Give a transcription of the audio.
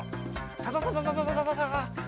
サササササッ。